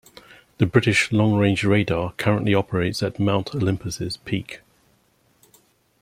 A British long range radar currently operates at Mount Olympus' peak.